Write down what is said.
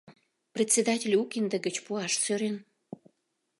Председатель у кинде гыч пуаш сӧрен.